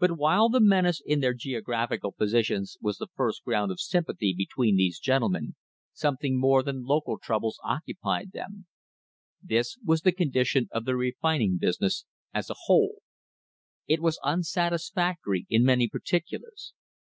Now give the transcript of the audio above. But while the menace in their geographical positions was the first ground of sympathy between these gentlemen, something more than THE HISTORY OF THE STANDARD OIL COMPANY local troubles occupied them. This was the condition of the refining business as a whole. It was unsatisfactory in many particulars.